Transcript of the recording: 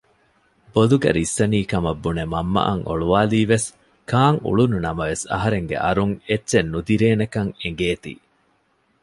ބޮލުގަ ރިއްސަނީކަމަށް ބުނެ މަންމައަށް އޮޅުވާލީވެސް ކާން އުޅުނު ނަމަވެސް އަހަރެންގެ އަރުން އެއްޗެއް ނުދިރޭނެކަން އެނގޭތީ